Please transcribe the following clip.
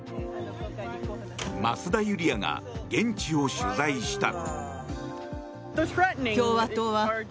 増田ユリヤが現地を取材した。